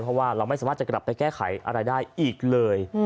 เพราะว่าเราไม่สามารถจะกลับไปแก้ไขอะไรได้อีกเลย